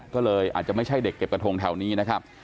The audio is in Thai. ก็เลยอาจจะไม่ใช่เด็กเก็บกระทงแถวนี้นะครับ